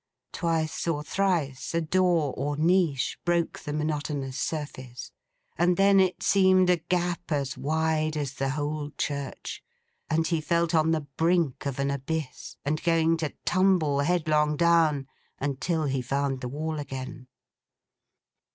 Twice or thrice, a door or niche broke the monotonous surface; and then it seemed a gap as wide as the whole church; and he felt on the brink of an abyss, and going to tumble headlong down, until he found the wall again.